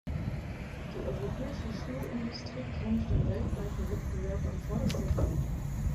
Die europäische Schuhindustrie kämpft im weltweiten Wettbewerb an vorderster Front.